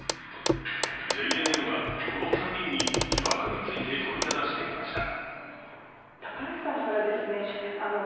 ＪＮＮはこの３人に疑惑について問いただしてみました。